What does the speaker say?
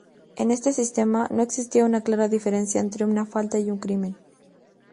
En este sistema, no existía una clara diferencia entre una falta y un crimen.